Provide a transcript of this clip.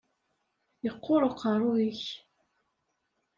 Yeqqur uqerru-k!